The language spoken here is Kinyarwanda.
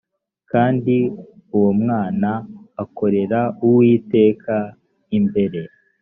kandi uwo mwana akorera uwiteka imbere